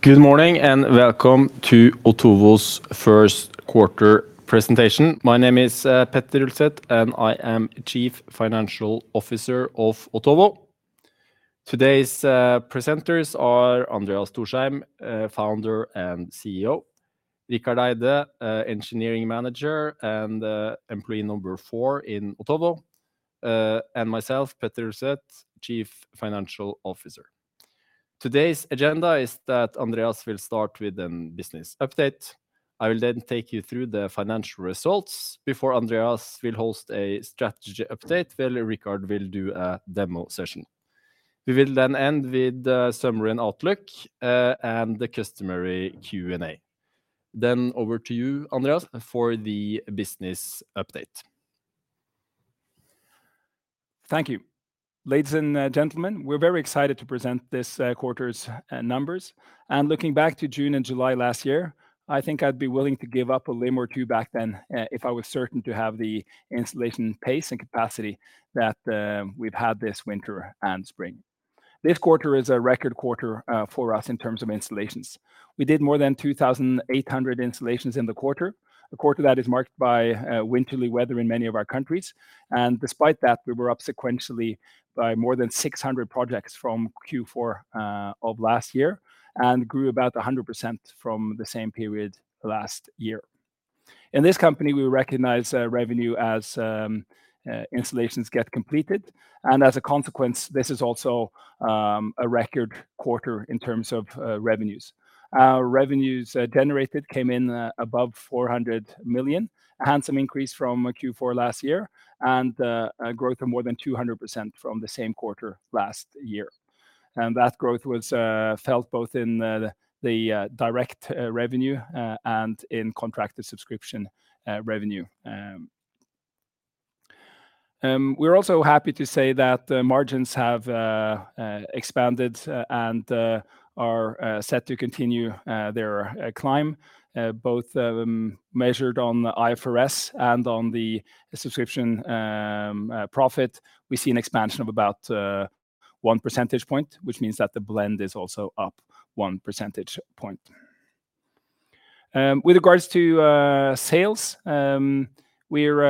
Good morning and welcome to Otovo's first quarter presentation. My name is Petter Ulset and I am Chief Financial Officer of Otovo. Today's presenters are Andreas Thorsheim, Founder and CEO, Rikard Eide, Engineering Manager and employee number four in Otovo, and myself, Petter Ulset, Chief Financial Officer. Today's agenda is that Andreas will start with an business update. I will take you through the financial results before Andreas will host a strategy update while Rikard will do a demo session. We will end with a summary and outlook, and the customary Q&A. Over to you, Andreas, for the business update. Thank you. Ladies and gentlemen, we're very excited to present this quarter's numbers. Looking back to June and July last year, I think I'd be willing to give up a limb or two back then if I was certain to have the installation pace and capacity that we've had this winter and spring. This quarter is a record quarter for us in terms of installations. We did more than 2,800 installations in the quarter, a quarter that is marked by wintery weather in many of our countries. Despite that, we were up sequentially by more than 600 projects from Q4 of last year and grew about 100% from the same period last year. In this company, we recognize revenue as installations get completed. As a consequence, this is also a record quarter in terms of revenues. Our revenues generated came in above 400 million, a handsome increase from Q4 last year and a growth of more than 200% from the same quarter last year. That growth was felt both in the direct revenue and in contracted subscription revenue. We're also happy to say that the margins have expanded and are set to continue their climb, both measured on IFRS and on the subscription profit. We see an expansion of about one percentage point, which means that the blend is also up one percentage point. With regards to sales, we're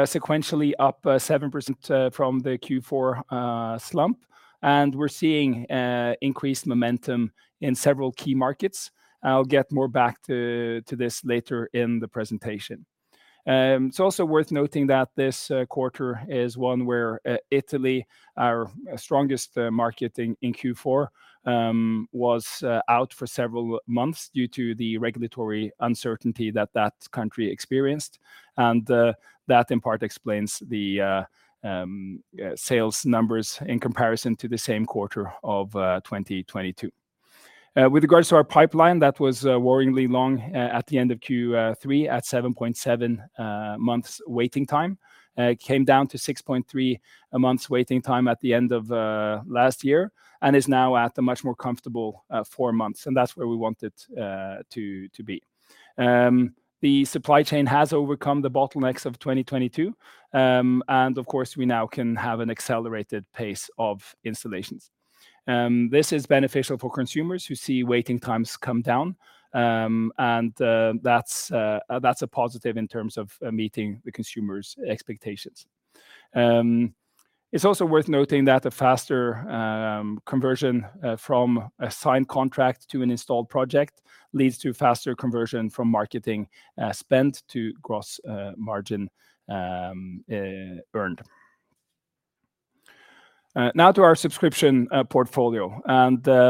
sequentially up 7% from the Q4 slump, and we're seeing increased momentum in several key markets. I'll get more back to this later in the presentation. It's also worth noting that this quarter is one where Italy, our strongest market in Q4, was out for several months due to the regulatory uncertainty that that country experienced. That in part explains the sales numbers in comparison to the same quarter of 2022. With regards to our pipeline, that was worryingly long at the end of Q3 at 7.7 months waiting time. It came down to 6.3 months waiting time at the end of last year and is now at a much more comfortable four months, and that's where we want it to be. The supply chain has overcome the bottlenecks of 2022, of course, we now can have an accelerated pace of installations. This is beneficial for consumers who see waiting times come down, that's a positive in terms of meeting the consumer's expectations. It's also worth noting that a faster conversion from a signed contract to an installed project leads to faster conversion from marketing spend to gross margin earned. Now to our subscription portfolio,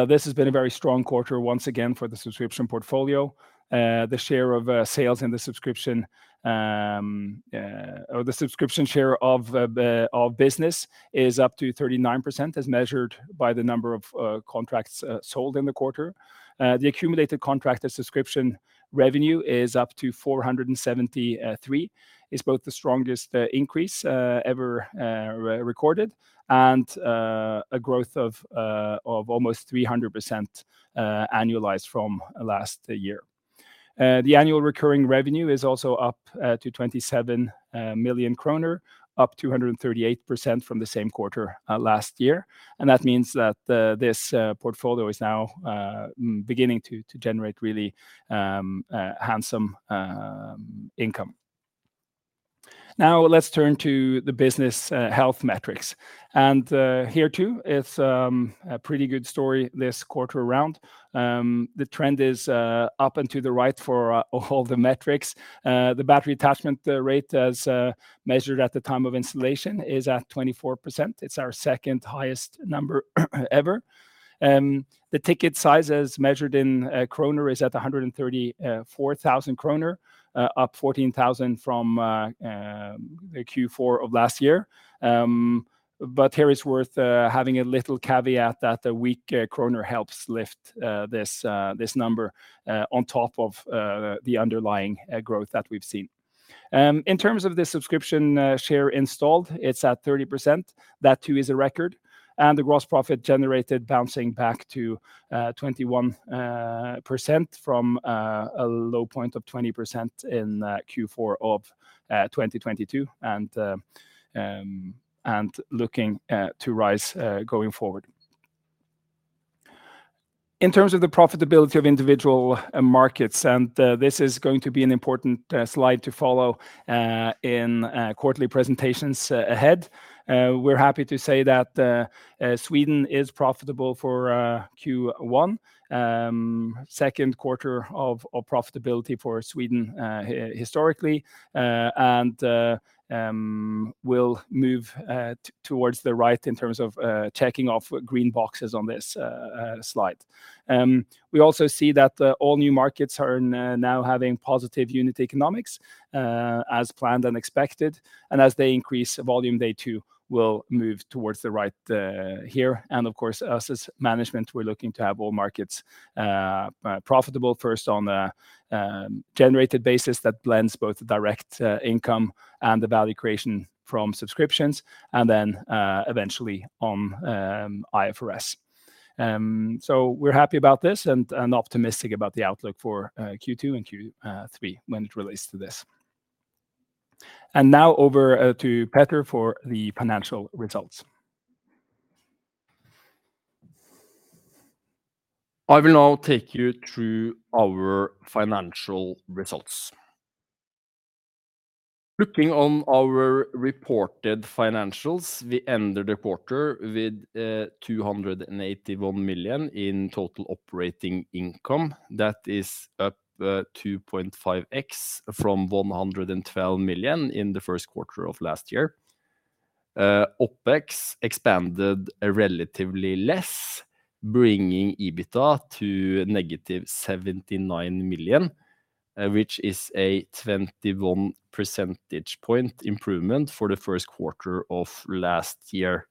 this has been a very strong quarter once again for the subscription portfolio. The share of sales in the subscription or the subscription share of the business is up to 39% as measured by the number of contracts sold in the quarter. The accumulated contracted subscription revenue is up to 473 million. It's both the strongest increase ever recorded and a growth of almost 300% annualized from last year. The ARR is also up to 27 million kroner, up 238% from the same quarter last year. That means that this portfolio is now beginning to generate really handsome income. Now let's turn to the business health metrics. Here too, it's a pretty good story this quarter around. The trend is up and to the right for all the metrics. The battery attachment rate as measured at the time of installation is at 24%. It's our second highest number ever. The ticket size as measured in kroner is at 134,000 kroner, up 14,000 from the Q4 of last year. Here it's worth having a little caveat that the weak kroner helps lift this number on top of the underlying growth that we've seen. In terms of the subscription share installed, it's at 30%. That too is a record, the gross profit generated bouncing back to 21% from a low point of 20% in Q4 of 2022 and looking to rise going forward. In terms of the profitability of individual markets, this is going to be an important slide to follow in quarterly presentations ahead. We're happy to say that Sweden is profitable for Q1. Second quarter of profitability for Sweden historically. We'll move towards the right in terms of checking off green boxes on this slide. We also see that the all new markets are now having positive unit economics as planned and expected. As they increase volume, they too will move towards the right here. Of course, us as management, we're looking to have all markets profitable first on the generated basis that blends both direct income and the value creation from subscriptions, and then eventually on IFRS. We're happy about this and optimistic about the outlook for Q2 and Q3 when it relates to this. Now over to Petter for the financial results. I will now take you through our financial results. Looking on our reported financials, we ended the quarter with 281 million in total operating income. That is up 2.5x from 112 million in the first quarter of last year. OpEx expanded relatively less, bringing EBITDA to negative 79 million, which is a 21% point improvement for the first quarter of last year.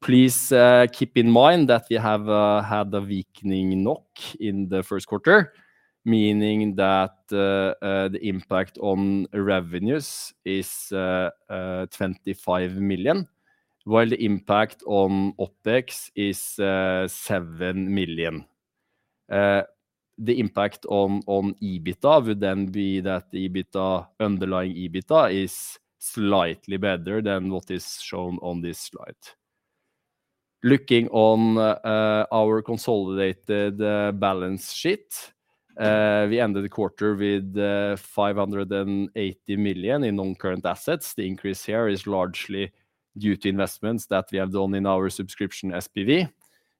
Please keep in mind that we have had the weakening NOK in the first quarter, meaning that the impact on revenues is 25 million, while the impact on OpEx is 7 million. The impact on EBITDA would then be that the EBITDA, underlying EBITDA, is slightly better than what is shown on this slide. Looking on our consolidated balance sheet, we ended the quarter with 580 million in non-current assets. The increase here is largely due to investments that we have done in our subscription SPV.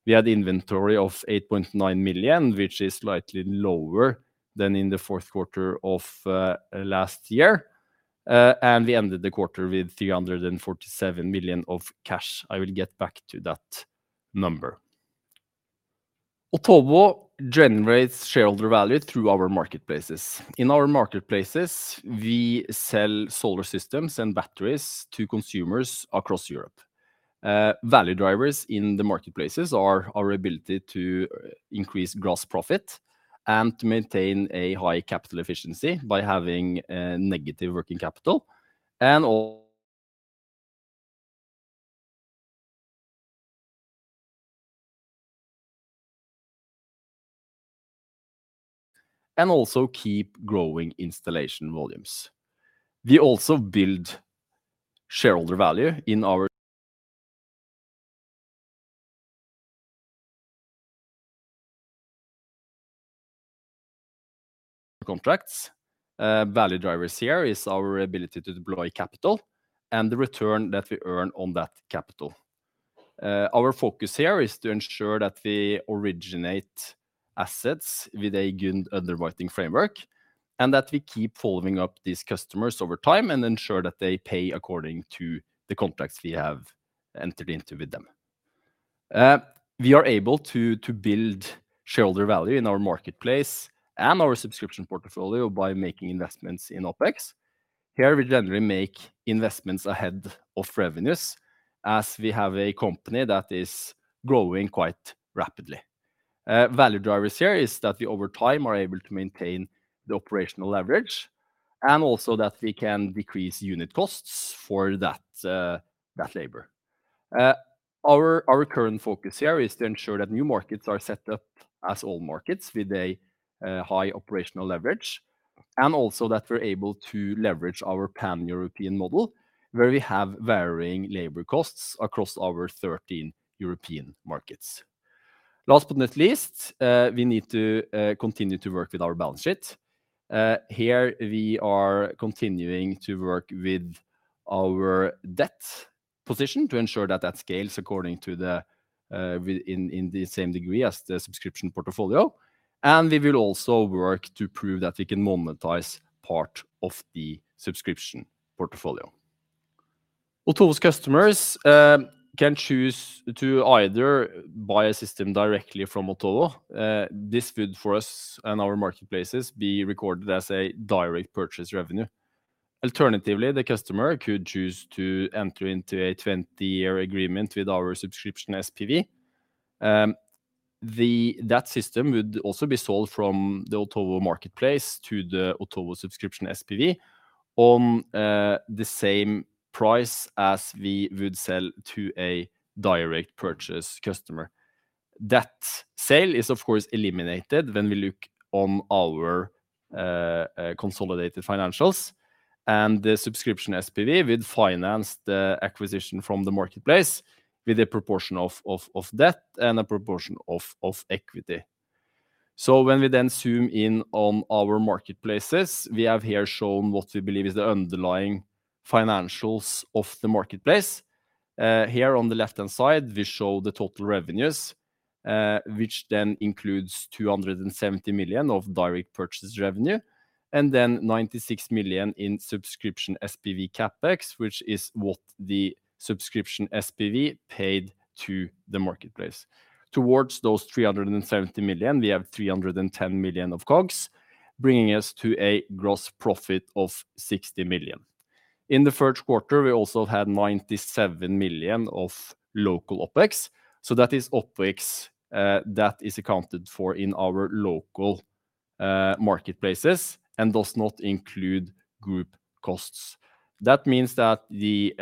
We had inventory of 8.9 million, which is slightly lower than in the fourth quarter of last year. We ended the quarter with 347 million of cash. I will get back to that number. Otovo generates shareholder value through our marketplaces. In our marketplaces, we sell solar systems and batteries to consumers across Europe. Value drivers in the marketplaces are our ability to increase gross profit and to maintain a high capital efficiency by having a negative working capital and also keep growing installation volumes. We also build shareholder value in our contracts. Value drivers here is our ability to deploy capital and the return that we earn on that capital. Our focus here is to ensure that we originate assets with a good underwriting framework, and that we keep following up these customers over time and ensure that they pay according to the contracts we have entered into with them. We are able to build shareholder value in our marketplace and our subscription portfolio by making investments in OpEx. Here, we generally make investments ahead of revenues as we have a company that is growing quite rapidly. Value drivers here is that we over time are able to maintain the operational leverage and also that we can decrease unit costs for that labor. Our current focus here is to ensure that new markets are set up as all markets with a high operational leverage, and also that we're able to leverage our Pan-European model, where we have varying labor costs across our 13 European markets. Last but not least, we need to continue to work with our balance sheet. Here, we are continuing to work with our debt position to ensure that that scales according to the same degree as the subscription portfolio. We will also work to prove that we can monetize part of the subscription portfolio. Otovo's customers can choose to either buy a system directly from Otovo. This would for us and our marketplaces be recorded as a direct purchase revenue. Alternatively, the customer could choose to enter into a 20-year agreement with our subscription SPV. That system would also be sold from the Otovo marketplace to the Otovo subscription SPV on the same price as we would sell to a direct purchase customer. That sale is of course eliminated when we look on our consolidated financials. The subscription SPV would finance the acquisition from the marketplace with a proportion of debt and a proportion of equity. When we then zoom in on our marketplaces, we have here shown what we believe is the underlying financials of the marketplace. Here on the left-hand side, we show the total revenues, which then includes 270 million of direct purchases revenue and then 96 million in subscription SPV CapEx, which is what the subscription SPV paid to the marketplace. Towards those 370 million, we have 310 million of COGS, bringing us to a gross profit of 60 million. In the first quarter, we also had 97 million of local OpEx. That is OpEx that is accounted for in our local marketplaces and does not include group costs. That means that the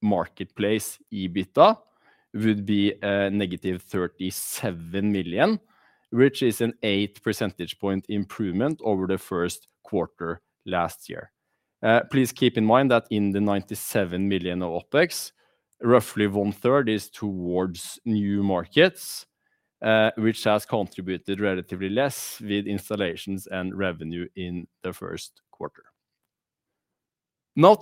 marketplace EBITA would be negative 37 million, which is an 8% point improvement over the first quarter last year. Please keep in mind that in the 97 million of OpEx, roughly one-third is towards new markets, which has contributed relatively less with installations and revenue in the first quarter.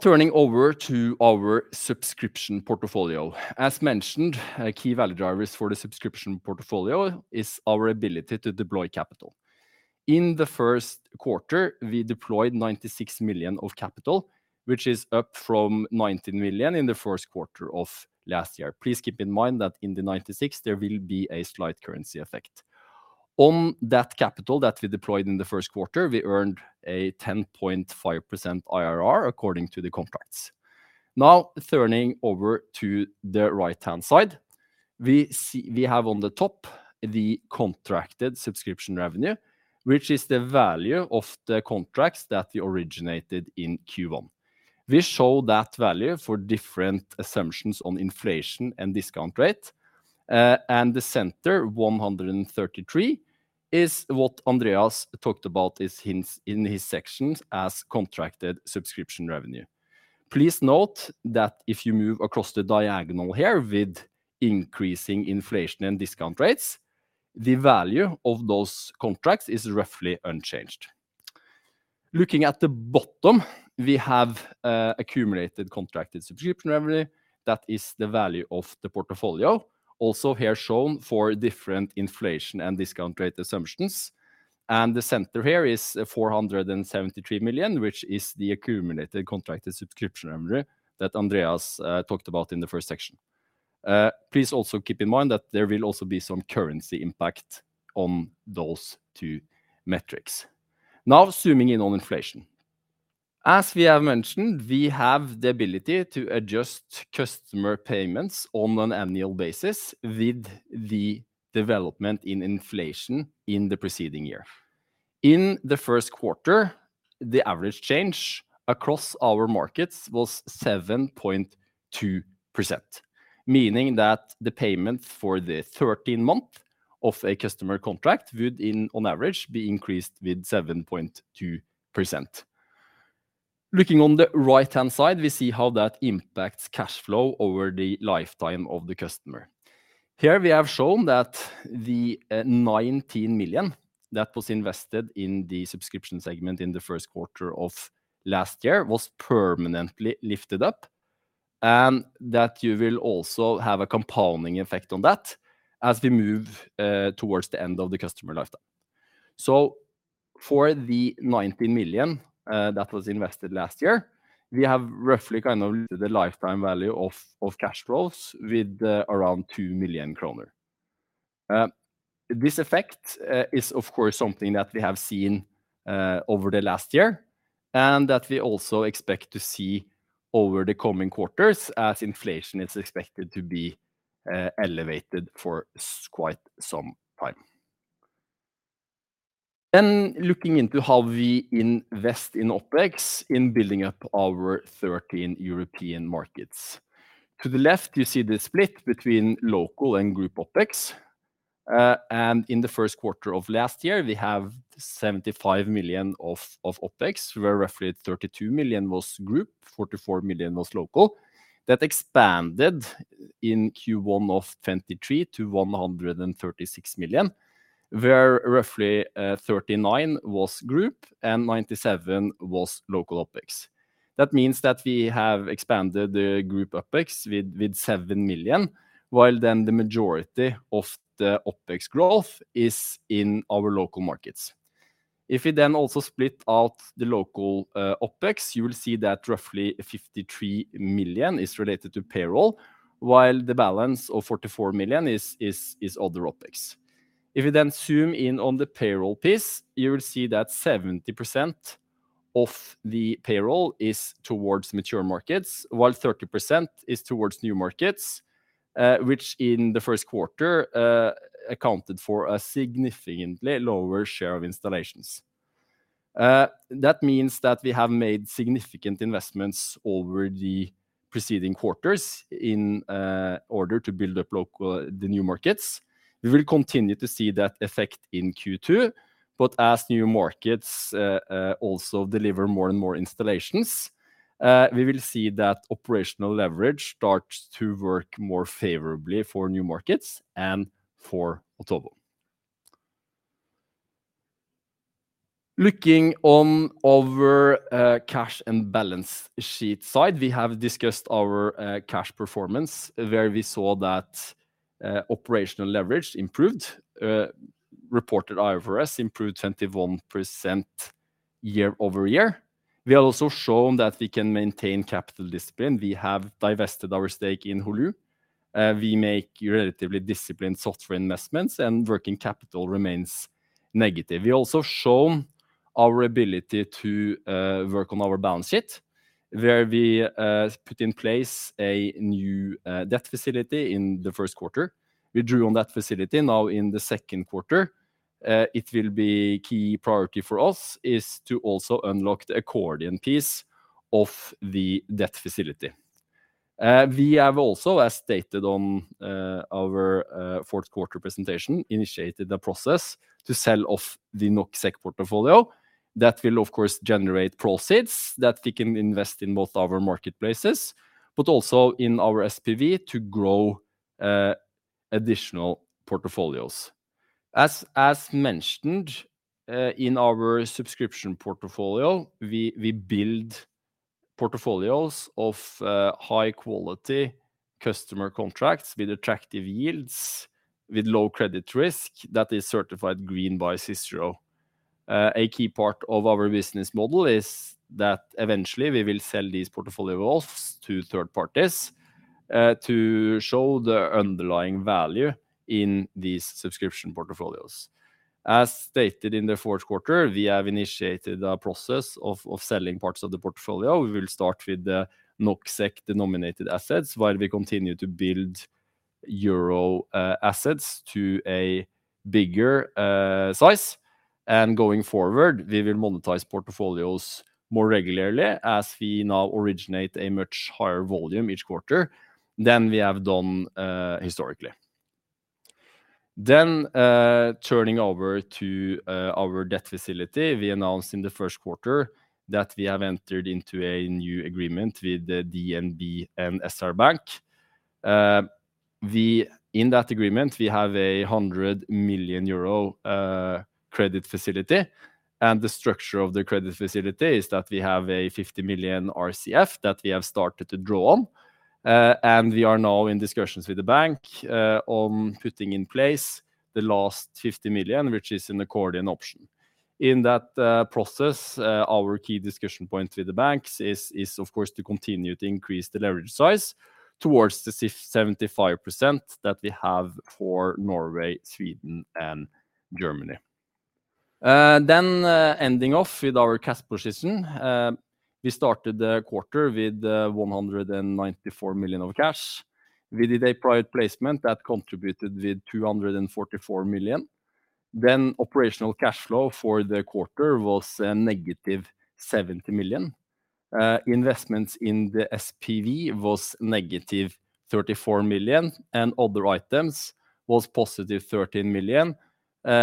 Turning over to our subscription portfolio. As mentioned, a key value drivers for the subscription portfolio is our ability to deploy capital. In the first quarter, we deployed 96 million of capital, which is up from 19 million in the first quarter of last year. Please keep in mind that in the 96, there will be a slight currency effect. On that capital that we deployed in the first quarter, we earned a 10.5% IRR according to the contracts. Turning over to the right-hand side, we have on the top the contracted subscription revenue, which is the value of the contracts that we originated in Q1. We show that value for different assumptions on inflation and discount rate. The center, 133, is what Andreas talked about in his sections as contracted subscription revenue. Please note that if you move across the diagonal here with increasing inflation and discount rates, the value of those contracts is roughly unchanged. Looking at the bottom, we have accumulated contracted subscription revenue. That is the value of the portfolio. Also here shown for different inflation and discount rate assumptions. The center here is 473 million, which is the accumulated contracted subscription revenue that Andreas talked about in the first section. Please also keep in mind that there will also be some currency impact on those two metrics. Zooming in on inflation. As we have mentioned, we have the ability to adjust customer payments on an annual basis with the development in inflation in the preceding year. In the first quarter, the average change across our markets was 7.2%, meaning that the payment for the 13th month of a customer contract would, in on average, be increased with 7.2%. Looking on the right-hand side, we see how that impacts cash flow over the lifetime of the customer. Here we have shown that the 19 million that was invested in the subscription segment in the first quarter of last year was permanently lifted up, and that you will also have a compounding effect on that as we move towards the end of the customer lifetime. So for the 19 million that was invested last year, we have roughly kind of the lifetime value of cash flows with, around 2 million kroner. This effect is of course something that we have seen over the last year and that we also expect to see over the coming quarters as inflation is expected to be elevated for quite some time. Looking into how we invest in OpEx in building up our 13 European markets. To the left, you see the split between local and group OpEx. In the first quarter of 2022, we have 75 million of OpEx, where roughly 32 million was group, 44 million was local. That expanded in Q1 of 2023 to 136 million, where roughly 39 million was group and 97 million was local OpEx. That means that we have expanded the group OpEx with 7 million, while the majority of the OpEx growth is in our local markets. If we also split out the local OpEx, you will see that roughly 53 million is related to payroll, while the balance of 44 million is other OpEx. If you zoom in on the payroll piece, you will see that 70% of the payroll is towards mature markets, while 30% is towards new markets, which in the first quarter, accounted for a significantly lower share of installations. That means that we have made significant investments over the preceding quarters in order to build up the new markets. We will continue to see that effect in Q2, but as new markets, also deliver more and more installations, we will see that operational leverage start to work more favorably for new markets and for Otovo. Looking over cash and balance sheet side, we have discussed our cash performance, where we saw that operational leverage improved, reported IRRs improved 21% year-over-year. We have also shown that we can maintain capital discipline. We have divested our stake in Holu. We make relatively disciplined software investments and working capital remains negative. We also shown our ability to work on our balance sheet, where we put in place a new debt facility in the first quarter. We drew on that facility now in the second quarter. It will be key priority for us is to also unlock the accordion piece of the debt facility. We have also, as stated on our fourth quarter presentation, initiated a process to sell off the NOK/SEK portfolio. That will of course generate proceeds that we can invest in both our marketplaces, but also in our SPV to grow additional portfolios. As mentioned, in our subscription portfolio, we build portfolios of high quality customer contracts with attractive yields, with low credit risk that is certified green by CICERO. A key part of our business model is that eventually we will sell these portfolio off to third parties, to show the underlying value in these subscription portfolios. As stated in the fourth quarter, we have initiated a process of selling parts of the portfolio. We will start with the NOK/SEK denominated assets while we continue to build euro assets to a bigger size. Going forward, we will monetize portfolios more regularly as we now originate a much higher volume each quarter than we have done historically. Turning over to our debt facility, we announced in the first quarter that we have entered into a new agreement with the DNB and SR Bank. In that agreement, we have a 100 million euro credit facility, and the structure of the credit facility is that we have a 50 million RCF that we have started to draw on. We are now in discussions with the bank on putting in place the last 50 million, which is an accordion option. In that process, our key discussion point with the banks is of course to continue to increase the leverage size towards the 75% that we have for Norway, Sweden and Germany. Ending off with our cash position. We started the quarter with 194 million of cash. We did a private placement that contributed with 244 million. Operational cash flow for the quarter was -70 million. Investments in the SPV was -34 million, and other items was positive +13 million. We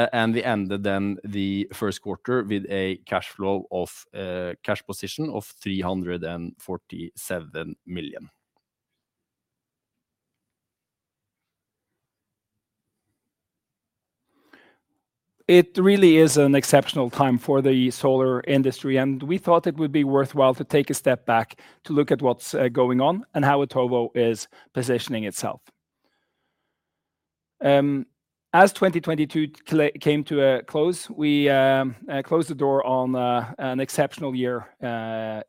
ended then the first quarter with a cash flow of cash position of 347 million. It really is an exceptional time for the solar industry, and we thought it would be worthwhile to take a step back to look at what's going on and how Otovo is positioning itself. As 2022 came to a close, we closed the door on an exceptional year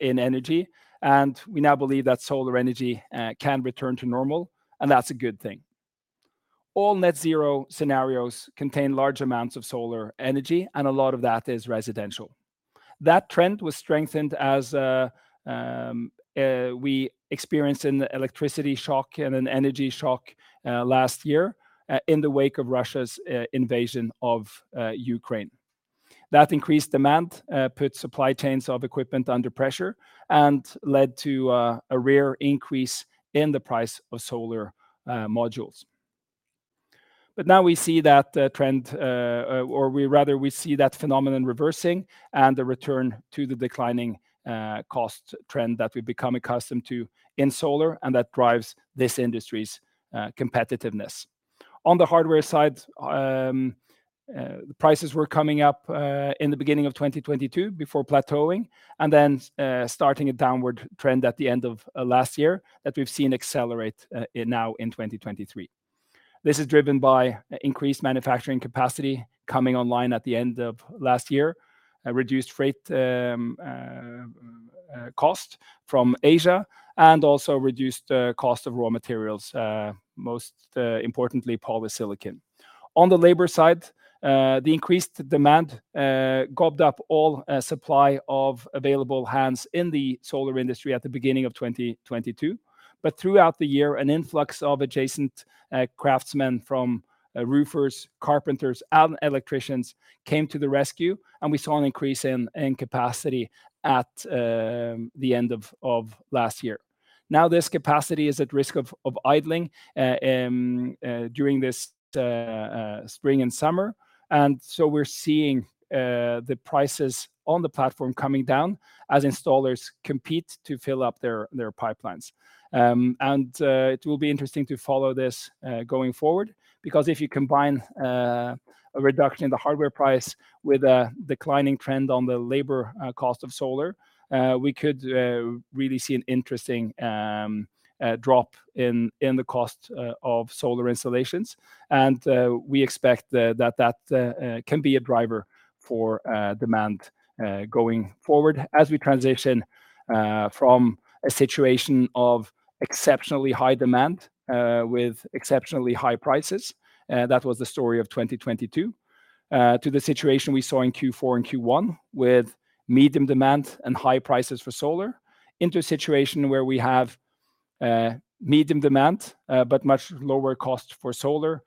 in energy, and we now believe that solar energy can return to normal, and that's a good thing. All net zero scenarios contain large amounts of solar energy, and a lot of that is residential. That trend was strengthened as we experienced an electricity shock and an energy shock last year in the wake of Russia's invasion of Ukraine. That increased demand put supply chains of equipment under pressure and led to a rare increase in the price of solar modules. Now we see that trend, or rather we see that phenomenon reversing and the return to the declining cost trend that we've become accustomed to in solar and that drives this industry's competitiveness. On the hardware side, the prices were coming up in the beginning of 2022 before plateauing and then starting a downward trend at the end of last year that we've seen accelerate now in 2023. This is driven by increased manufacturing capacity coming online at the end of last year, a reduced freight cost from Asia, and also reduced cost of raw materials, most importantly polysilicon. On the labor side, the increased demand gobbled up all supply of available hands in the solar industry at the beginning of 2022. Throughout the year, an influx of adjacent craftsmen from roofers, carpenters, and electricians came to the rescue, and we saw an increase in capacity at the end of last year. Now this capacity is at risk of idling during this spring and summer. We're seeing the prices on the platform coming down as installers compete to fill up their pipelines. It will be interesting to follow this going forward because if you combine a reduction in the hardware price with a declining trend on the labor cost of solar, we could really see an interesting drop in the cost of solar installations. We expect that that can be a driver for demand going forward as we transition from a situation of exceptionally high demand with exceptionally high prices, that was the story of 2022, to the situation we saw in Q4 and Q1 with medium demand and high prices for solar into a situation where we have medium demand but much lower cost for solar,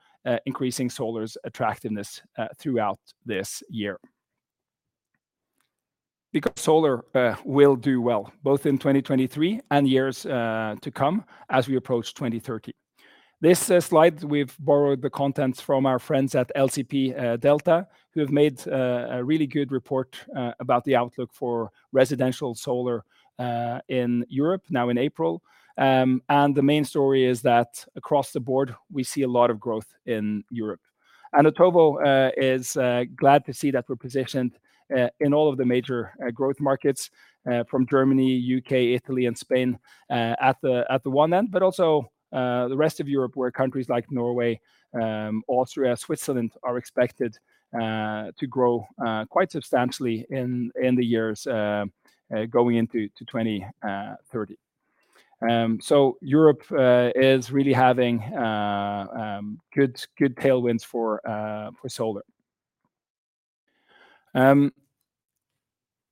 increasing solar's attractiveness throughout this year. Because solar will do well both in 2023 and years to come as we approach 2030. This slide, we've borrowed the contents from our friends at LCP Delta, who have made a really good report about the outlook for residential solar in Europe now in April. The main story is that across the board, we see a lot of growth in Europe. Otovo is glad to see that we're positioned in all of the major growth markets from Germany, U.K., Italy, and Spain at the one end, but also the rest of Europe, where countries like Norway, Austria, Switzerland are expected to grow quite substantially in the years going into 2030. Europe is really having good tailwinds for solar.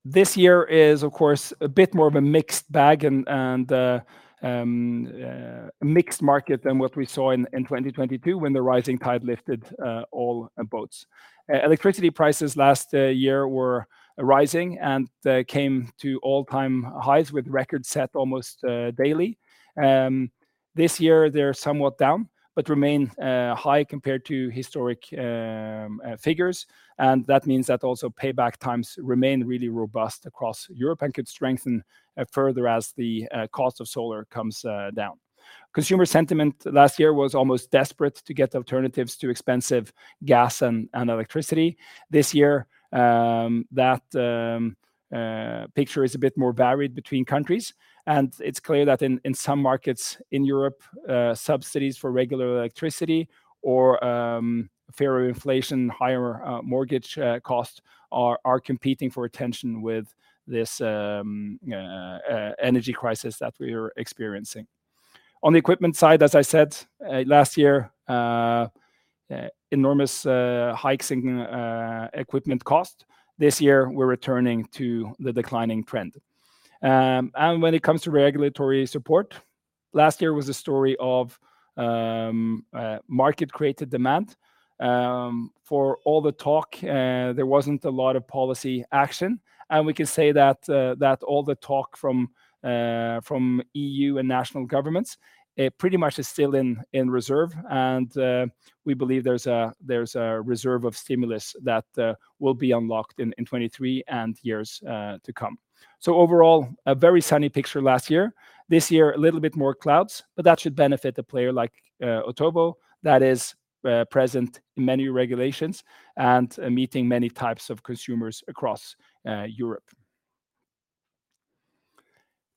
This year is of course a bit more of a mixed bag and mixed market than what we saw in 2022 when the rising tide lifted all boats. Electricity prices last year were rising and came to all-time highs with records set almost daily. This year they're somewhat down, but remain high compared to historic figures, and that means that also payback times remain really robust across Europe and could strengthen further as the cost of solar comes down. Consumer sentiment last year was almost desperate to get alternatives to expensive gas and electricity. This year, that picture is a bit more varied between countries, and it's clear that in some markets in Europe, subsidies for regular electricity or fear of inflation, higher mortgage costs are competing for attention with this energy crisis that we're experiencing. On the equipment side, as I said, last year, enormous hikes in equipment cost. This year we're returning to the declining trend. When it comes to regulatory support, last year was a story of market-created demand. For all the talk, there wasn't a lot of policy action, and we can say that all the talk from EU and national governments, it pretty much is still in reserve. We believe there's a reserve of stimulus that will be unlocked in 2023 and years to come. Overall, a very sunny picture last year. This year, a little bit more clouds, but that should benefit a player like Otovo that is present in many regulations and meeting many types of consumers across Europe.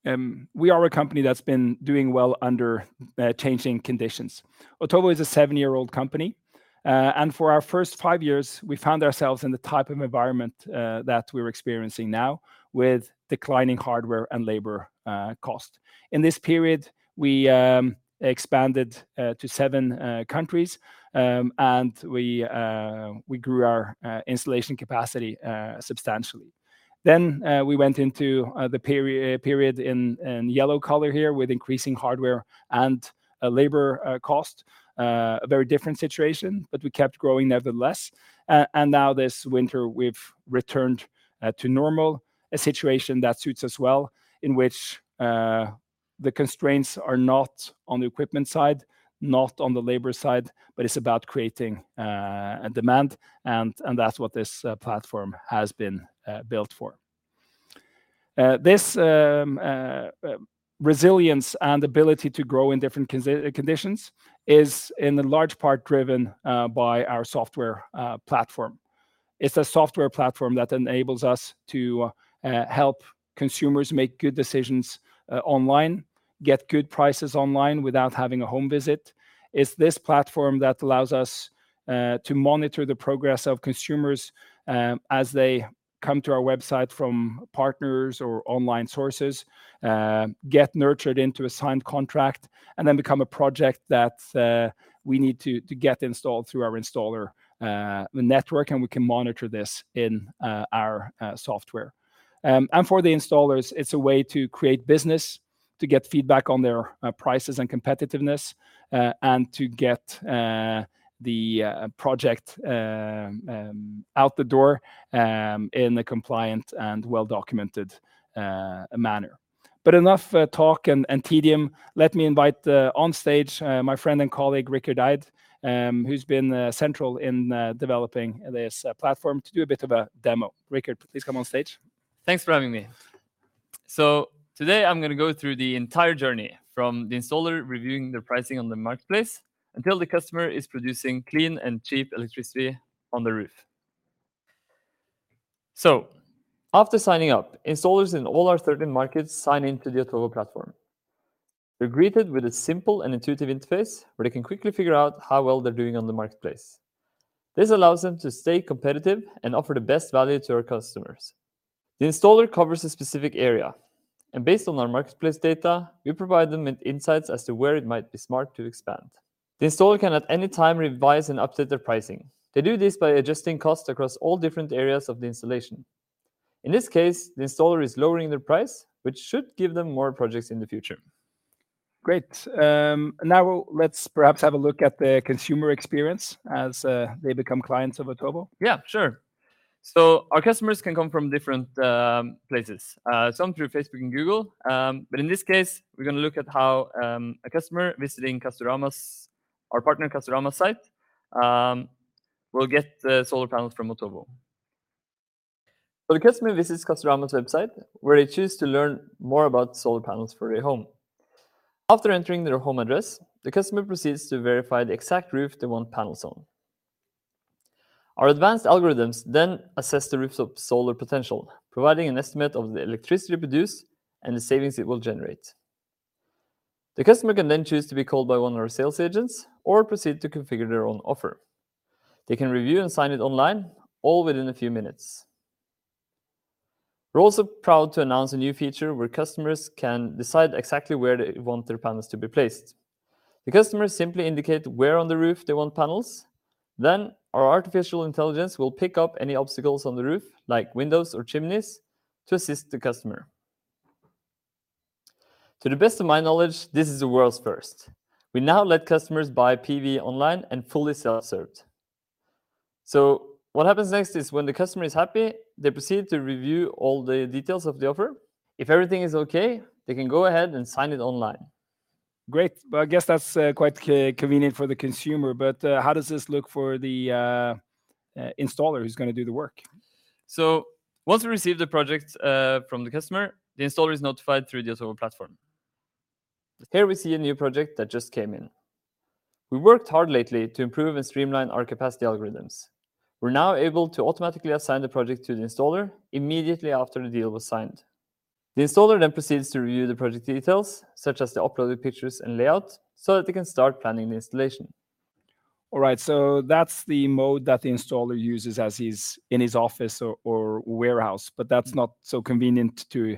We are a company that's been doing well under changing conditions. Otovo is a seven-year-old company. For our first five years, we found ourselves in the type of environment that we're experiencing now with declining hardware and labor cost. In this period, we expanded to seven countries, and we grew our installation capacity substantially. We went into the period in yellow color here with increasing hardware and labor cost, a very different situation, but we kept growing nevertheless. Now this winter, we've returned to normal, a situation that suits us well, in which the constraints are not on the equipment side, not on the labor side, but it's about creating a demand, and that's what this platform has been built for. This resilience and ability to grow in different conditions is in large part driven by our software platform. It's a software platform that enables us to help consumers make good decisions online, get good prices online without having a home visit. It's this platform that allows us to monitor the progress of consumers as they come to our website from partners or online sources, get nurtured into a signed contract, and then become a project that we need to get installed through our installer network, and we can monitor this in our software. And for the installers, it's a way to create business, to get feedback on their prices and competitiveness, and to get the project out the door in a compliant and well-documented manner. Enough talk and tedium. Let me invite on stage my friend and colleague, Rikard Eide, who's been central in developing this platform, to do a bit of a demo. Rikard, please come on stage. Thanks for having me. Today I'm gonna go through the entire journey, from the installer reviewing the pricing on the marketplace until the customer is producing clean and cheap electricity on the roof. After signing up, installers in all our 13 markets sign into the Otovo platform. They're greeted with a simple and intuitive interface where they can quickly figure out how well they're doing on the marketplace. This allows them to stay competitive and offer the best value to our customers. The installer covers a specific area, and based on our marketplace data, we provide them with insights as to where it might be smart to expand. The installer can at any time revise and update their pricing. They do this by adjusting costs across all different areas of the installation. In this case, the installer is lowering their price, which should give them more projects in the future. Great. Now let's perhaps have a look at the consumer experience as they become clients of Otovo. Yeah, sure. Our customers can come from different places, some through Facebook and Google. But in this case, we're gonna look at how a customer visiting Castorama, our partner Castorama site, will get the solar panels from Otovo. The customer visits Castorama website, where they choose to learn more about solar panels for their home. After entering their home address, the customer proceeds to verify the exact roof they want panels on. Our advanced algorithms then assess the roof's solar potential, providing an estimate of the electricity produced and the savings it will generate. The customer can then choose to be called by one of our sales agents or proceed to configure their own offer. They can review and sign it online, all within a few minutes. We're also proud to announce a new feature where customers can decide exactly where they want their panels to be placed. The customers simply indicate where on the roof they want panels, then our artificial intelligence will pick up any obstacles on the roof, like windows or chimneys, to assist the customer. To the best of my knowledge, this is a world's first. We now let customers buy PV online and fully self-serve. What happens next is when the customer is happy, they proceed to review all the details of the offer. If everything is okay, they can go ahead and sign it online. Great. Well, I guess that's quite convenient for the consumer, but how does this look for the installer who's gonna do the work? Once we receive the project from the customer, the installer is notified through the Otovo platform. Here we see a new project that just came in. We worked hard lately to improve and streamline our capacity algorithms. We're now able to automatically assign the project to the installer immediately after the deal was signed. The installer proceeds to review the project details, such as the uploaded pictures and layout, so that they can start planning the installation. All right. That's the mode that the installer uses as he's in his office or warehouse, but that's not so convenient to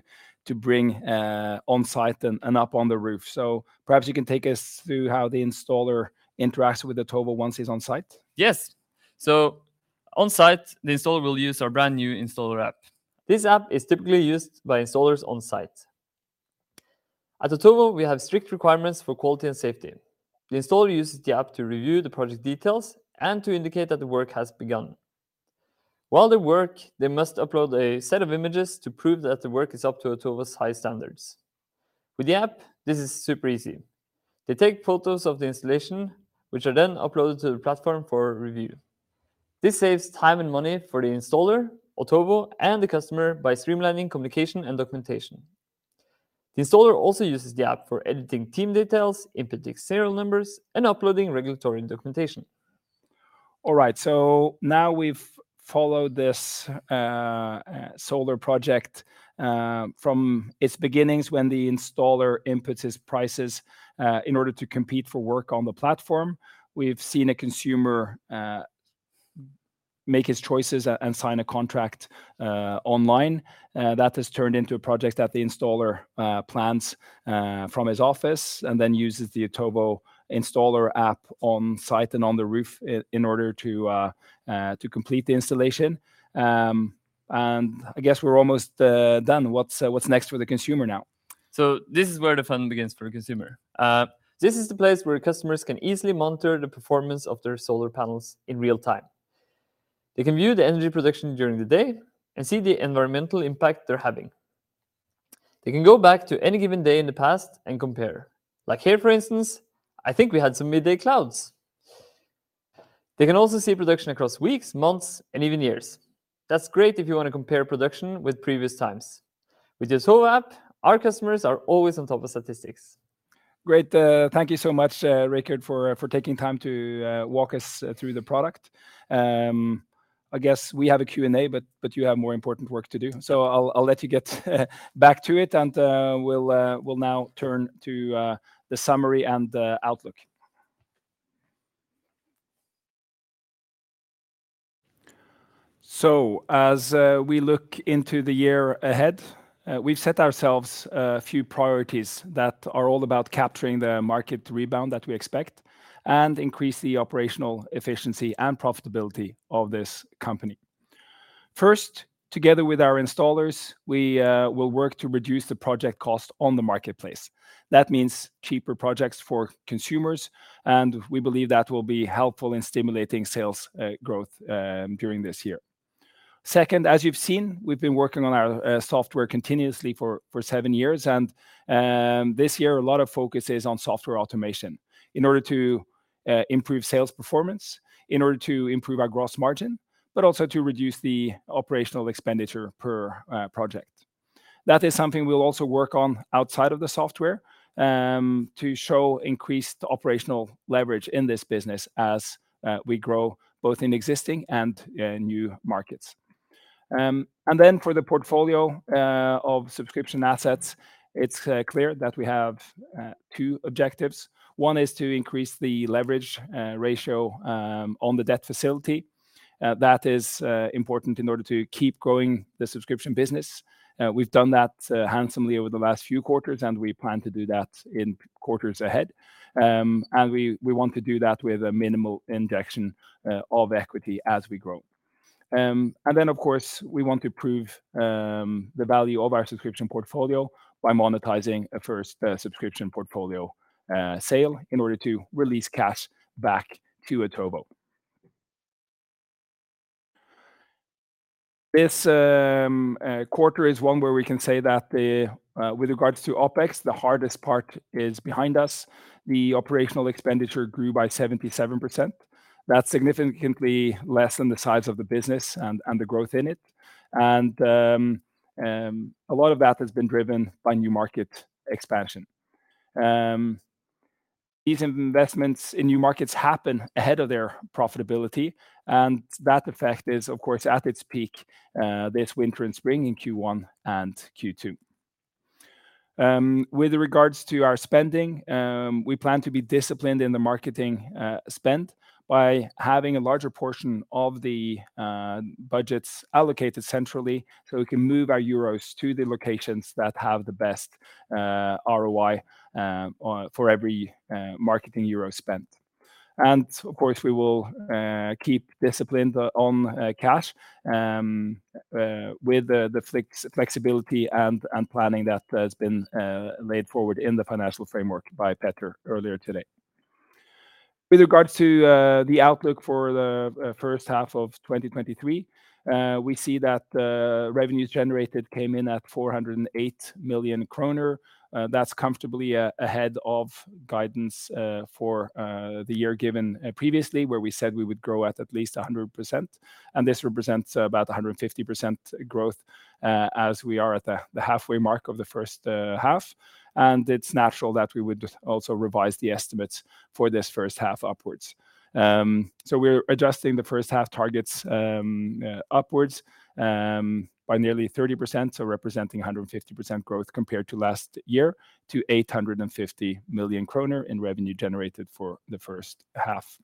bring on site and up on the roof. Perhaps you can take us through how the installer interacts with Otovo once he's on site. Yes. On site, the installer will use our brand-new installer app. This app is typically used by installers on site. At Otovo, we have strict requirements for quality and safety. The installer uses the app to review the project details and to indicate that the work has begun. While they work, they must upload a set of images to prove that the work is up to Otovo's high standards. With the app, this is super easy. They take photos of the installation, which are then uploaded to the platform for review. This saves time and money for the installer, Otovo, and the customer by streamlining communication and documentation. The installer also uses the app for editing team details, inputting serial numbers, and uploading regulatory documentation. All right, now we've followed this solar project from its beginnings when the installer inputs his prices in order to compete for work on the platform. We've seen a consumer make his choices and sign a contract online that has turned into a project that the installer plans from his office and then uses the Otovo Installer app on site and on the roof in order to complete the installation. I guess we're almost done. What's next for the consumer now? This is where the fun begins for a consumer. This is the place where customers can easily monitor the performance of their solar panels in real time. They can view the energy production during the day and see the environmental impact they're having. They can go back to any given day in the past and compare. Here, for instance, I think we had some midday clouds. They can also see production across weeks, months, and even years. That's great if you want to compare production with previous times. With the Otovo app, our customers are always on top of statistics. Great. Thank you so much, Rikard, for taking time to walk us through the product. I guess we have a Q&A, but you have more important work to do. I'll let you get back to it, and we'll now turn to the summary and outlook. As we look into the year ahead, we've set ourselves a few priorities that are all about capturing the market rebound that we expect and increase the operational efficiency and profitability of this company. First, together with our installers, we will work to reduce the project cost on the marketplace. That means cheaper projects for consumers, and we believe that will be helpful in stimulating sales growth during this year. Second, as you've seen, we've been working on our software continuously for seven years. This year a lot of focus is on software automation in order to improve sales performance, in order to improve our gross margin, but also to reduce the operational expenditure per project. That is something we'll also work on outside of the software to show increased operational leverage in this business as we grow both in existing and in new markets. For the portfolio of subscription assets, it's clear that we have two objectives. One is to increase the leverage ratio on the debt facility. That is important in order to keep growing the subscription business. We've done that handsomely over the last few quarters, and we plan to do that in quarters ahead. We want to do that with a minimal injection of equity as we grow. Of course, we want to prove the value of our subscription portfolio by monetizing a first subscription portfolio sale in order to release cash back to Otovo. This quarter is one where we can say that with regards to OpEx, the hardest part is behind us. The operational expenditure grew by 77%. That's significantly less than the size of the business and the growth in it. A lot of that has been driven by new market expansion. These investments in new markets happen ahead of their profitability, that effect is of course at its peak this winter and spring in Q1 and Q2. With regards to our spending, we plan to be disciplined in the marketing spend by having a larger portion of the budgets allocated centrally so we can move our EUR to the locations that have the best ROI for every marketing EUR spent. Of course, we will keep discipline on cash with the flexibility and planning that has been laid forward in the financial framework by Petter earlier today. With regards to the outlook for the first half of 2023, we see that the revenues generated came in at 408 million kroner. That's comfortably ahead of guidance for the year given previously, where we said we would grow at at least 100%, and this represents about 150% growth as we are at the halfway mark of the first half. It's natural that we would also revise the estimates for this first half upwards. We're adjusting the first half targets upwards by nearly 30%, representing 150% growth compared to last year, to 850 million kroner in revenue generated for the first half.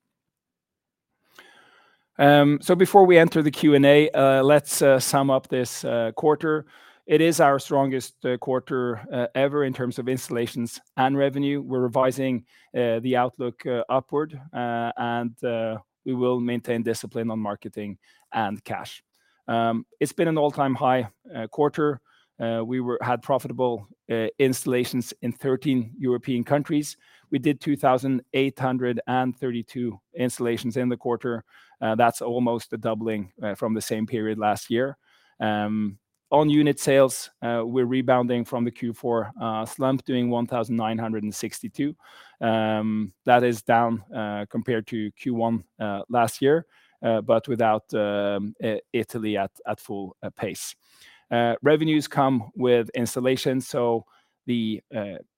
Before we enter the Q&A, let's sum up this quarter. It is our strongest quarter ever in terms of installations and revenue. We're revising the outlook upward, and we will maintain discipline on marketing and cash. It's been an all-time high quarter. We had profitable installations in 13 European countries. We did 2,832 installations in the quarter. That's almost a doubling from the same period last year. On unit sales, we're rebounding from the Q4 slump, doing 1,962. That is down compared to Q1 last year, but without Italy at full pace. Revenues come with installation, so the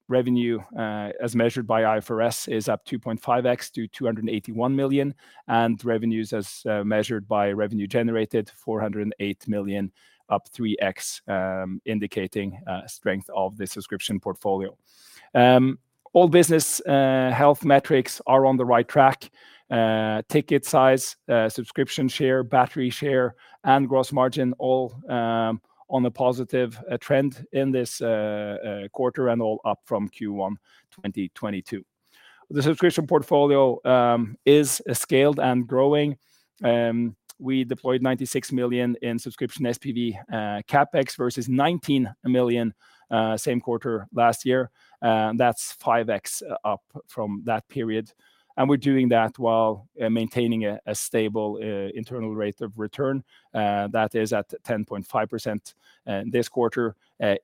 revenue as measured by IFRS is up 2.5x to 281 million, and revenues as measured by revenue generated, 408 million up 3x, indicating strength of the subscription portfolio. All business health metrics are on the right track. Ticket size, subscription share, battery share, and gross margin all on a positive trend in this quarter and all up from Q1 2022. The subscription portfolio is scaled and growing. We deployed 96 million in subscription SPV CapEx versus 19 million same quarter last year. That's 5x up from that period. And we're doing that while maintaining a stable internal rate of return. That is at 10.5% this quarter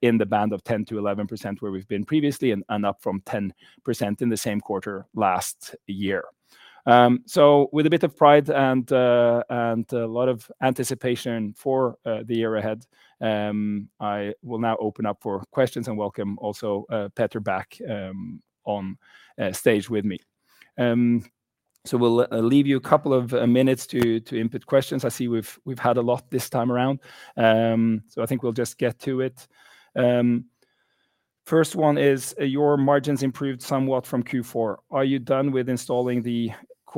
in the band of 10%-11% where we've been previously and up from 10% in the same quarter last year. With a bit of pride and a lot of anticipation for the year ahead, I will now open up for questions and welcome also Petter back on stage with me. We'll leave you a couple of minutes to input questions. I see we've had a lot this time around, I think we'll just get to it. First one is, "Your margins improved somewhat from Q4. Are you done with installing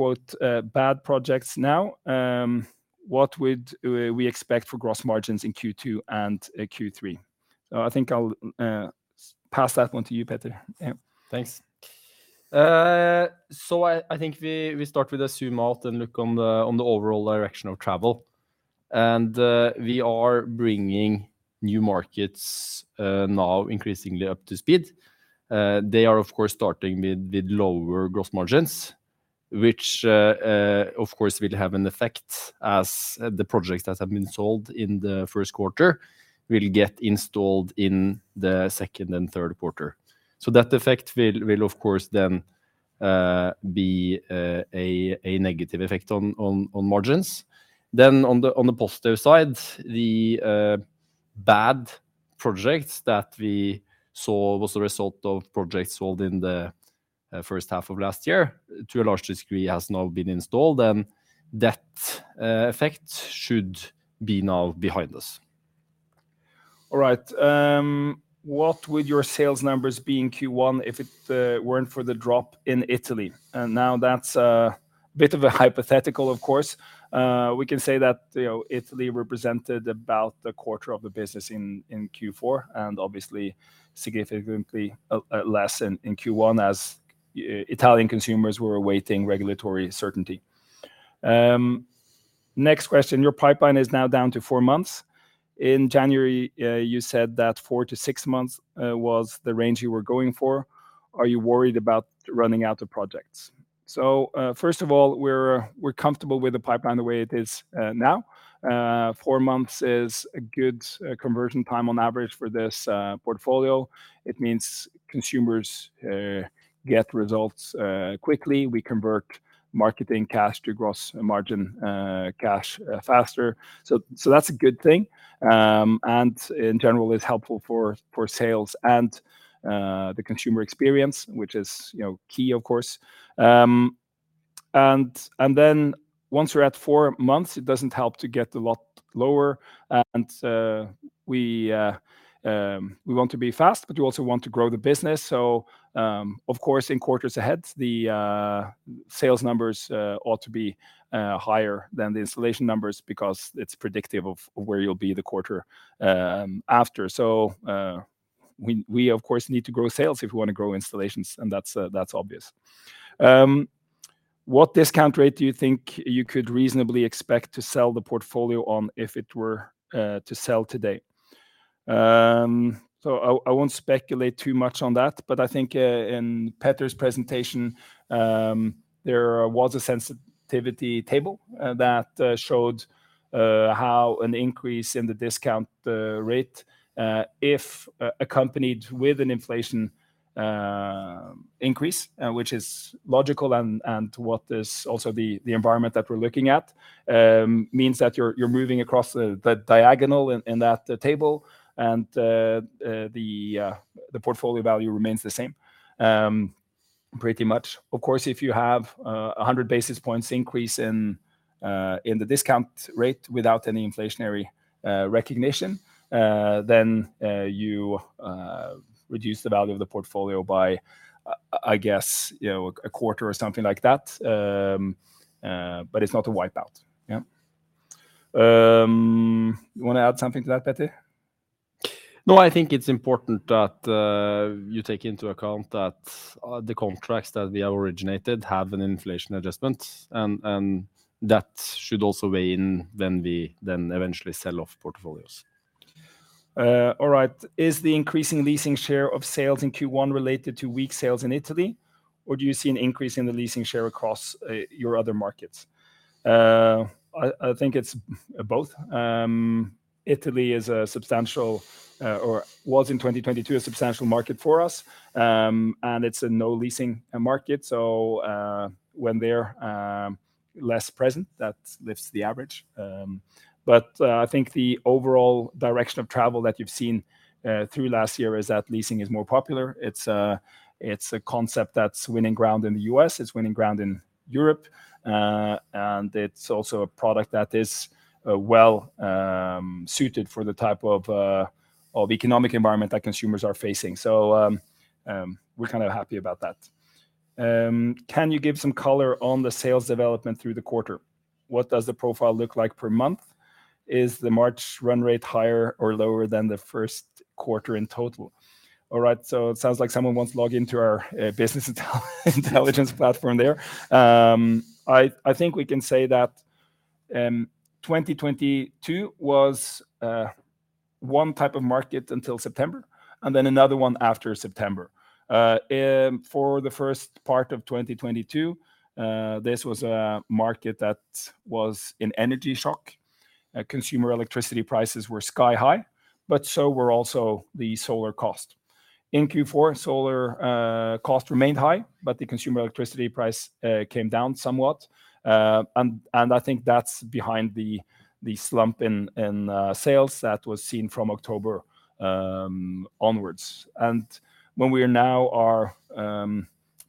the, quote, 'bad projects' now? What would we expect for gross margins in Q2 and Q3? I think I'll pass that one to you, Petter. Thanks. I think we start with a zoom out and look on the overall direction of travel. We are bringing new markets now increasingly up to speed. They are of course starting with lower gross margins Which, of course will have an effect as the projects that have been sold in the first quarter will get installed in the second and third quarter. That effect will of course then, be, a negative effect on margins. On the positive side, the bad projects that we saw was the result of projects sold in the first half of last year, to a large degree has now been installed and that effect should be now behind us. All right. What would your sales numbers be in Q1 if it weren't for the drop in Italy? Now that's a bit of a hypothetical, of course. We can say that, you know, Italy represented about a quarter of the business in Q4, and obviously significantly less in Q1 as Italian consumers were awaiting regulatory certainty. Next question. Your pipeline is now down to four months. In January, you said that four-six months was the range you were going for. Are you worried about running out of projects? First of all, we're comfortable with the pipeline the way it is now. Four months is a good conversion time on average for this portfolio. It means consumers get results quickly. We convert marketing cash to gross margin cash faster. That's a good thing. In general is helpful for sales and the consumer experience, which is, you know, key, of course. Once we're at four months, it doesn't help to get a lot lower and we want to be fast, but we also want to grow the business. Of course, in quarters ahead, the sales numbers ought to be higher than the installation numbers because it's predictive of where you'll be the quarter after. We of course, need to grow sales if we wanna grow installations, and that's obvious. What discount rate do you think you could reasonably expect to sell the portfolio on if it were to sell today? I won't speculate too much on that, but I think, in Petter's presentation, there was a sensitivity table that showed how an increase in the discount rate, if accompanied with an inflation increase, which is logical and what is also the environment that we're looking at, means that you're moving across the diagonal in that table and the portfolio value remains the same pretty much. Of course, if you have 100 basis points increase in the discount rate without any inflationary recognition, then you reduce the value of the portfolio by, I guess, you know, a quarter or something like that. But it's not a wipe out. Yeah. You wanna add something to that, Petter? No, I think it's important that you take into account that the contracts that we have originated have an inflation adjustment and that should also weigh in when we then eventually sell off portfolios. All right. Is the increasing leasing share of sales in Q1 related to weak sales in Italy, or do you see an increase in the leasing share across your other markets? I think it's both. Italy is a substantial or was in 2022 a substantial market for us. And it's a no leasing market, so when they're less present, that lifts the average. I think the overall direction of travel that you've seen through last year is that leasing is more popular. It's a concept that's winning ground in the U.S., it's winning ground in Europe, and it's also a product that is well suited for the type of economic environment that consumers are facing. We're kind of happy about that. Can you give some color on the sales development through the quarter? What does the profile look like per month? Is the March run rate higher or lower than the first quarter in total? It sounds like someone wants to log into our business intelligence platform there. I think we can say that 2022 was one type of market until September and then another one after September. For the first part of 2022, this was a market that was in energy shock. Consumer electricity prices were sky high, but so were also the solar cost. In Q4, solar cost remained high, but the consumer electricity price came down somewhat. I think that's behind the slump in sales that was seen from October onwards. When we now are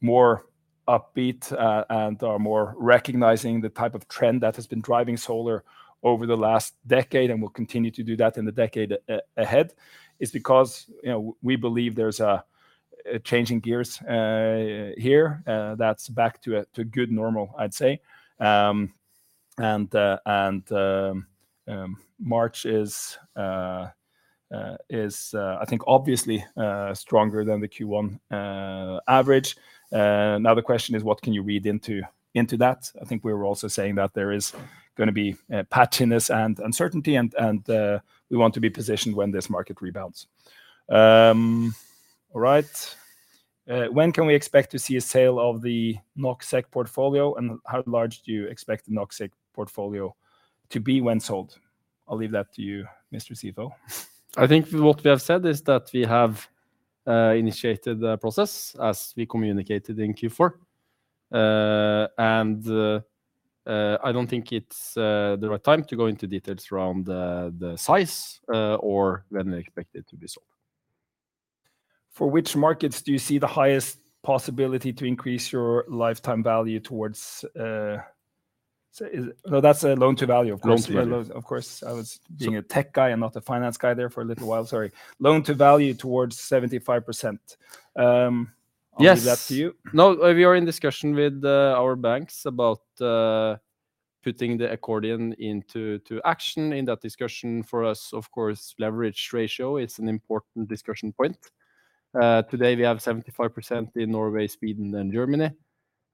more upbeat and are more recognizing the type of trend that has been driving solar over the last decade and will continue to do that in the decade ahead, is because, you know, we believe there's a change in gears here that's back to a good normal, I'd say. March is I think obviously stronger than the Q1 average. The question is what can you read into that? I think we were also saying that there is gonna be patchiness and uncertainty and we want to be positioned when this market rebounds. All right. When can we expect to see a sale of the NOK/SEK portfolio, and how large do you expect the NOK/SEK portfolio to be when sold? I'll leave that to you, Mr. CFO. I think what we have said is that we have initiated the process as we communicated in Q4. I don't think it's the right time to go into details around the size, or when they expect it to be sold. For which markets do you see the highest possibility to increase your lifetime value towards, No, that's a loan-to-value, of course. Loan-to-value. Of course, I was being a tech guy and not a finance guy there for a little while. Sorry. Loan-to-value towards 75%. I'll leave that to you. No. We are in discussion with our banks about putting the accordion into action. In that discussion for us, of course, leverage ratio is an important discussion point. Today, we have 75% in Norway, Sweden, and Germany.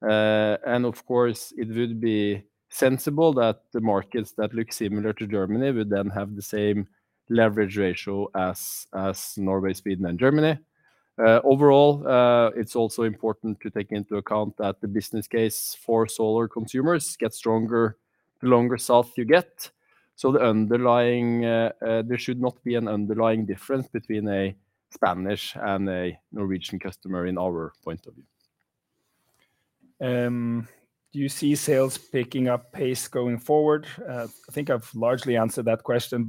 Of course, it would be sensible that the markets that look similar to Germany would then have the same leverage ratio as Norway, Sweden, and Germany. Overall, it's also important to take into account that the business case for solar consumers get stronger the longer south you get. There should not be an underlying difference between a Spanish and a Norwegian customer in our point of view. Do you see sales picking up pace going forward? I think I've largely answered that question.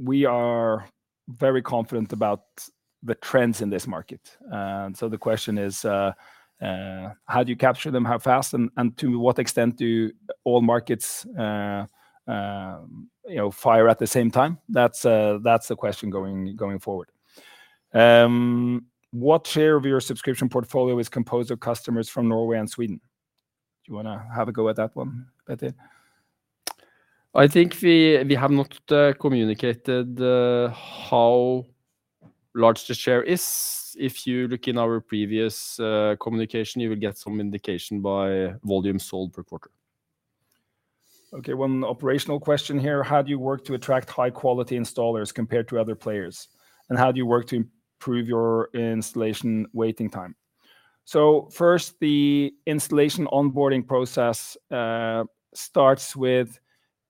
We are very confident about the trends in this market. So the question is, how do you capture them? How fast and to what extent do all markets, you know, fire at the same time? That's the question going forward. What share of your subscription portfolio is composed of customers from Norway and Sweden? Do you want to have a go at that one, Petter? I think we have not communicated how large the share is. If you look in our previous communication, you will get some indication by volume sold per quarter. One operational question here: How do you work to attract high-quality installers compared to other players, and how do you work to improve your installation waiting time? First, the installation onboarding process starts with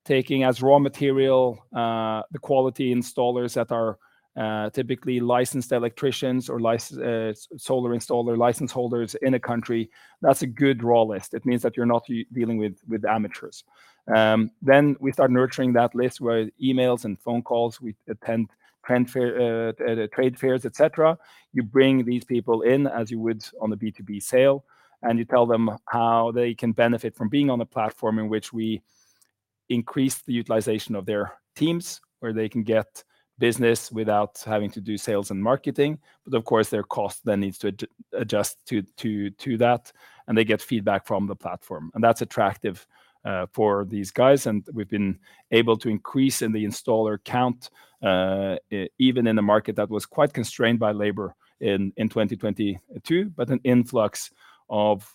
taking as raw material the quality installers that are typically licensed electricians or solar installer license holders in a country. That's a good raw list. It means that you're not dealing with amateurs. We start nurturing that list with emails and phone calls. We attend trade fairs, et cetera. You bring these people in as you would on a B2B sale, you tell them how they can benefit from being on a platform in which we increase the utilization of their teams, where they can get business without having to do sales and marketing. Of course, their cost then needs to adjust to that, and they get feedback from the platform, and that's attractive for these guys. We've been able to increase in the installer count even in a market that was quite constrained by labor in 2022. An influx of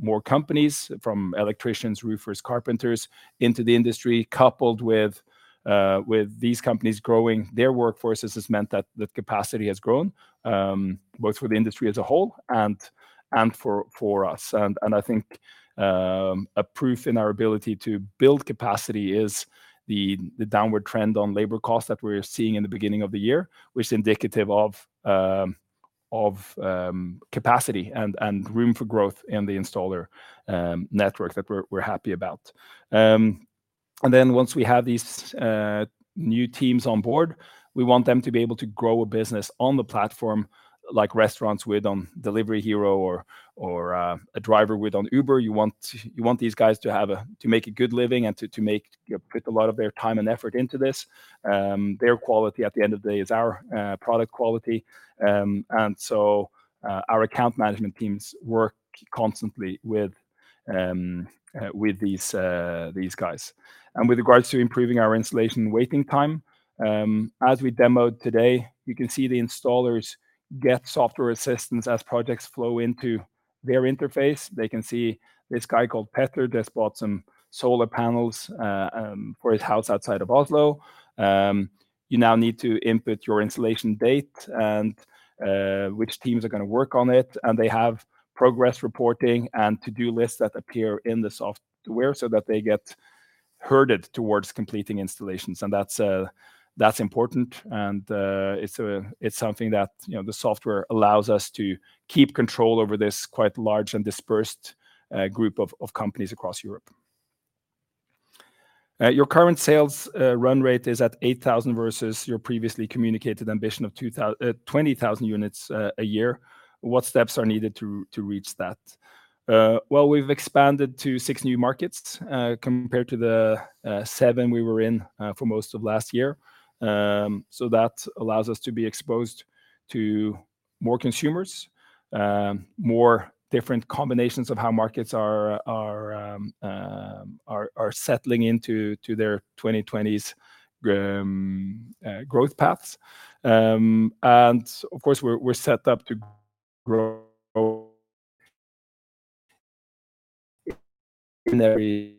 more companies from electricians, roofers, carpenters into the industry, coupled with these companies growing their workforces, has meant that the capacity has grown both for the industry as a whole and for us. I think a proof in our ability to build capacity is the downward trend on labor costs that we're seeing in the beginning of the year, which is indicative of capacity and room for growth in the installer network that we're happy about. Once we have these new teams on board, we want them to be able to grow a business on the platform like restaurants with on Delivery Hero or a driver with on Uber. You want these guys to make a good living and to put a lot of their time and effort into this. Their quality, at the end of the day, is our product quality. Our account management teams work constantly with these guys. With regards to improving our installation waiting time, as we demoed today, you can see the installers get software assistance as projects flow into their interface. They can see this guy called Petter that's bought some solar panels for his house outside of Oslo. You now need to input your installation date and which teams are gonna work on it, and they have progress reporting and to-do lists that appear in the software so that they get herded towards completing installations. That's important and it's something that, you know, the software allows us to keep control over this quite large and dispersed group of companies across Europe. Your current sales run rate is at 8,000 versus your previously communicated ambition of 20,000 units a year. What steps are needed to reach that? Well, we've expanded to six new markets compared to the seven we were in for most of last year. So that allows us to be exposed to more consumers, more different combinations of how markets are settling into their 2020s growth paths. Of course, we're set up to grow in every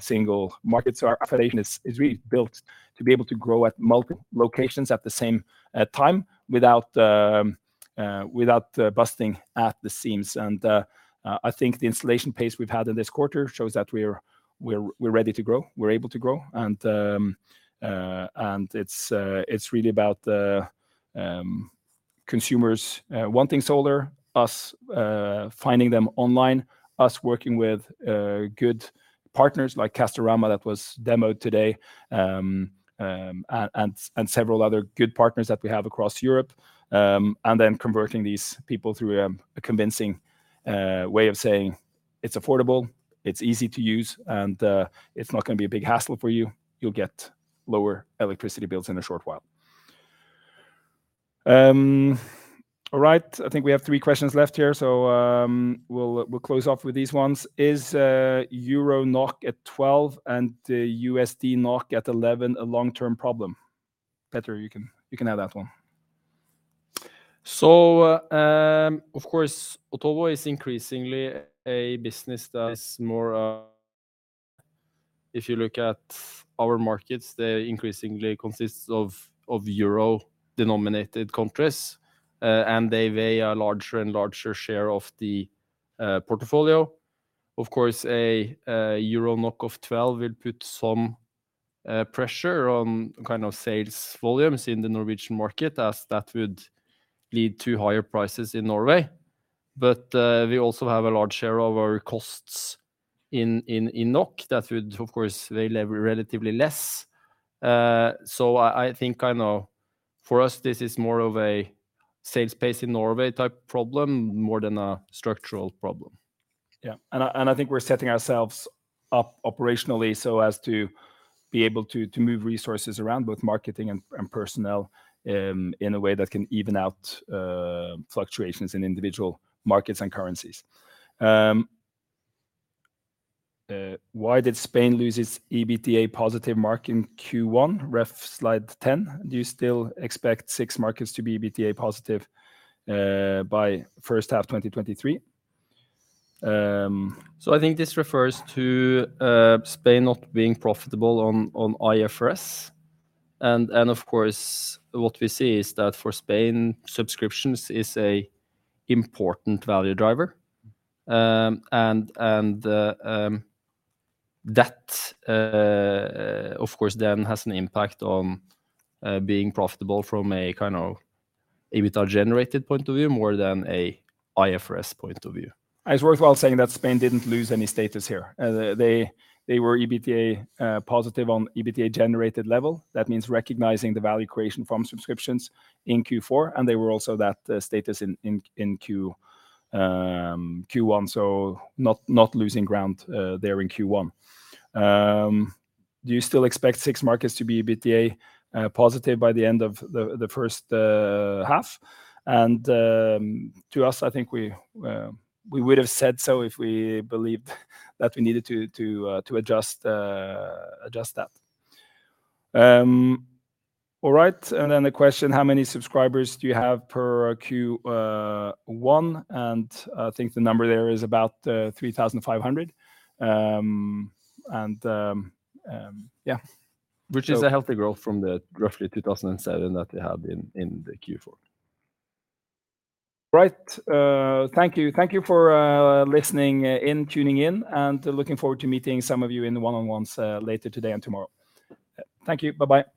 single market. Our operation is really built to be able to grow at multiple locations at the same time without busting at the seams. I think the installation pace we've had in this quarter shows that we're ready to grow, we're able to grow. It's really about the consumers wanting solar, us finding them online, us working with good partners like Castorama that was demoed today, and several other good partners that we have across Europe. Converting these people through a convincing way of saying, "It's affordable, it's easy to use, and it's not gonna be a big hassle for you. You'll get lower electricity bills in a short while." All right. I think we have three questions left here, we'll close off with these ones. Is EUR NOK at 12 and USD NOK at 11 a long-term problem? Petter, you can have that one. Of course, Otovo is increasingly a business that is more. If you look at our markets, they increasingly consists of euro-denominated countries, and they weigh a larger and larger share of the portfolio. Of course, a euro NOK of 12 will put some pressure on kind of sales volumes in the Norwegian market as that would lead to higher prices in Norway. We also have a large share of our costs in NOK that would, of course, weigh relatively less. I think, I know, for us this is more of a sales pace in Norway type problem more than a structural problem. I think we're setting ourselves up operationally so as to be able to move resources around both marketing and personnel, in a way that can even out fluctuations in individual markets and currencies. Why did Spain lose its EBITDA positive mark in Q1, ref slide 10? Do you still expect six markets to be EBITDA positive by first half 2023? I think this refers to Spain not being profitable on IFRS. Of course, what we see is that for Spain, subscriptions is a important value driver. And that, of course then has an impact on being profitable from a kind of EBITDA-generated point of view more than a IFRS point of view. It's worthwhile saying that Spain didn't lose any status here. They were EBITDA positive on EBITDA-generated level. That means recognizing the value creation from subscriptions in Q4. They were also that status in Q1, so not losing ground there in Q1. Do you still expect six markets to be EBITDA positive by the end of the first half? To us, I think we would have said so if we believed that we needed to adjust that. All right. The question, how many subscribers do you have per Q1? I think the number there is about 3,500. Yeah. Which is a healthy growth from the roughly 2,007 that we had in the Q4. Right. Thank you for, listening in, tuning in, and looking forward to meeting some of you in the one-on-ones, later today and tomorrow. Thank you. Bye-bye.